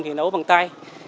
thì nấu bằng tay